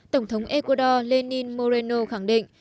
tổng thống ecuador lenin moreno khẳng định